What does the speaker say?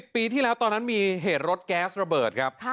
ปีที่แล้วตอนนั้นมีเหตุรถแก๊สระเบิดครับ